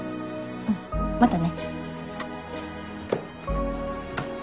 うんまたね。